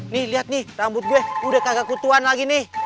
nih lihat nih rambut gue udah kagak kutuan lagi nih